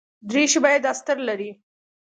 دریشي باید استر لري.